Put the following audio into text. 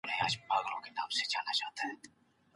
نوی فرصت.